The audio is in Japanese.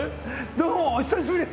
どうもお久しぶりです。